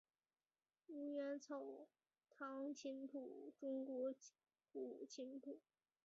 桐园草堂琴谱中国古琴谱。